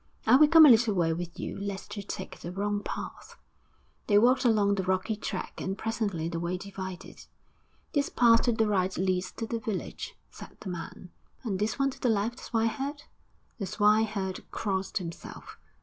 'I will come a little way with you lest you take the wrong path.' ... They walked along the rocky track, and presently the way divided. 'This path to the right leads to the village,' said the man. 'And this one to the left, swineherd?' The swineherd crossed himself.